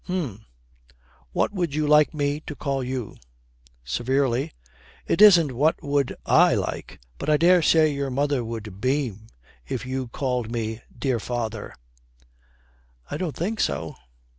'Hum. What would you like me to call you?' Severely, 'It isn't what would I like. But I daresay your mother would beam if you called me "dear father"' 'I don't think so?'